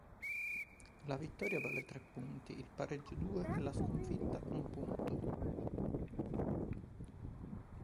La vittoria vale tre punti, il pareggio due e la sconfitta un punto.